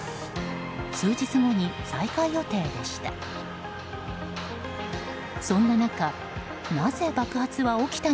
数日後に再開予定でした。